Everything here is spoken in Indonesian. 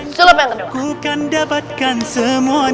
sulap yang kedua